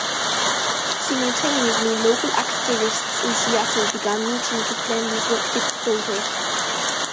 Simultaneously, local activists in Seattle began meeting to plan disruptive protest.